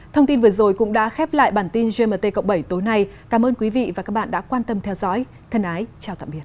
thông tin vừa rồi cũng đã khép lại bản tin gmt cộng bảy tối nay cảm ơn quý vị và các bạn đã quan tâm theo dõi thân ái chào tạm biệt